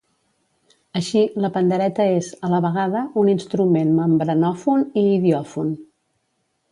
Així, la pandereta és, a la vegada, un instrument membranòfon i idiòfon.